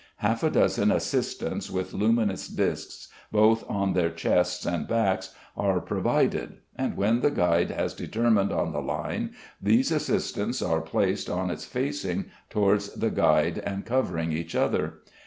Half a dozen assistants, with luminous discs, both on their chests and backs, are provided, and, when the guide has determined on the line, these assistants are placed on it facing towards the guide and covering each other.